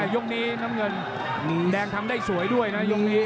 ยกนี้น้ำเงินแดงทำได้สวยด้วยนะยกนี้